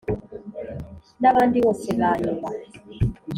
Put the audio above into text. N abandi bose ba nyuma